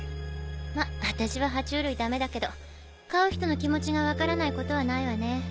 ま私は爬虫類ダメだけど飼う人の気持ちが分からないことはないわね。